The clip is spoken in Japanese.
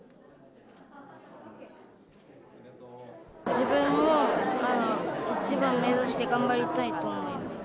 自分も一番目指して頑張りたいと思います。